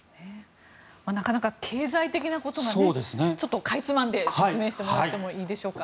なかなか経済的なことがちょっとかいつまんで説明してもらってもいいでしょうか。